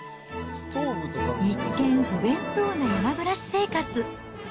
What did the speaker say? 一見、不便そうな山暮らし生活。